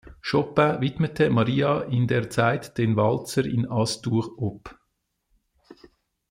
Chopin widmete Maria in der Zeit den Walzer in As-Dur op.